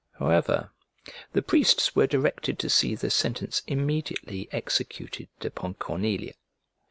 However, the priests were directed to see the sentence immediately executed upon Cornelia.